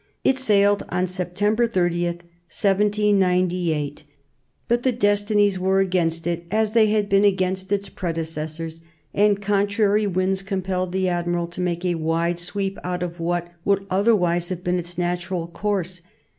It sailed on September 30, 1798; but the destinies were against it, as they had been against its predecessors, and contrary winds compelled the admiral to make a wide sweep out of what would otherwise have been its natural course.